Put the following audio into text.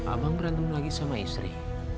abang berantem lagi sama istri